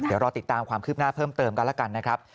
เดี๋ยวรอติดตามความคืบหน้าเพิ่มเติมกันแล้วกันนะครับ